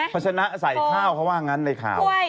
พจนะใส่ข้าวเขาว่างั้นเลยค่ะ